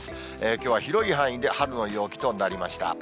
きょうは広い範囲で春の陽気となりました。